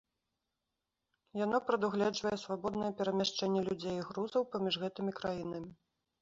Яно прадугледжвае свабоднае перамяшчэнне людзей і грузаў паміж гэтымі краінамі.